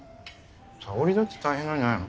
佐緒里だって大変なんじゃないの？